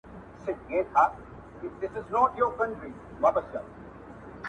باز به بيرته بيزو وان ځان ته پيدا كړ!!